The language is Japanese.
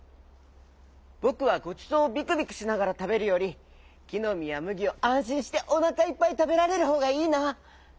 ぼくはごちそうをビクビクしながらたべるよりきのみやむぎをあんしんしておなかいっぱいたべられるほうがいいな。